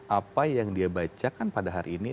apa yang dia bacakan pada hari ini